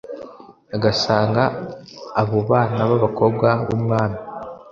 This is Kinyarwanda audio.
agasanga abo bana b'abakobwa b'umwami